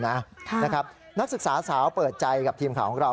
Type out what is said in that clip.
นักศึกษาสาวเปิดใจกับทีมข่าวของเรา